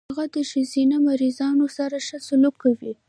هغه د ښځينه مريضانو سره ښه سلوک کوي.